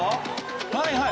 はいはい。